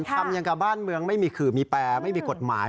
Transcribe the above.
ทำอย่างกับบ้านเมืองไม่มีขื่อมีแปรไม่มีกฎหมาย